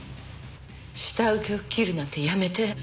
下請けを切るなんてやめて。